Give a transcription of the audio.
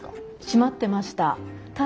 閉まってました。